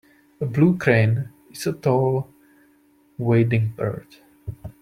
A blue crane is a tall wading bird.